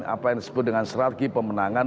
apa yang disebut dengan strategi pemenangan